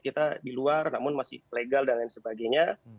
kita di luar namun masih legal dan lain sebagainya